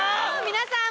⁉皆さん